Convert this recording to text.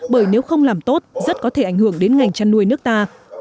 bởi nếu không làm tốt rất có thể ảnh hưởng đến ngành chăn nuôi nước ta